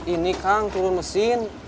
ini kang turun mesin